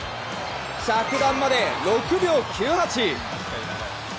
着弾まで６秒９８！